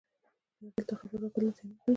یو بل ته خبر ورکول د زیان مخه نیسي.